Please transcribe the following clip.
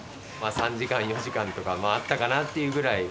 ３時間、４時間とかもあったかなっていうぐらい。